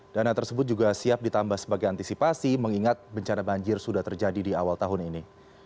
dana tersebut juga siap ditambah sebagai antisipasi mengingat bencana banjir sudah terjadi di awal tahun ini